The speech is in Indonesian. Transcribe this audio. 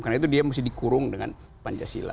karena itu dia mesti dikurung dengan pancasila